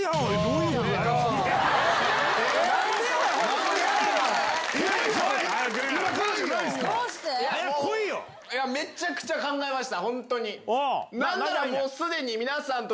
いや、めちゃくちゃ考えました。